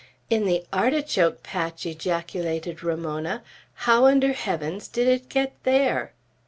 "In the artichoke patch!" ejaculated Ramona. "How under heavens did it get there?"